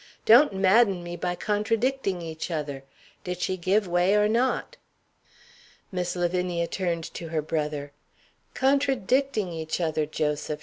"Don't madden me by contradicting each other! Did she give way or not?" Miss Lavinia turned to her brother. "Contradicting each other, Joseph!"